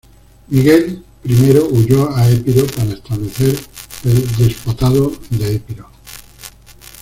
Miguel I huyó a Epiro para establecer el Despotado de Epiro.